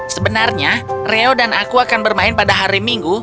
sebenarnya reo dan aku akan bermain pada hari minggu